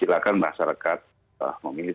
silakan masyarakat memilih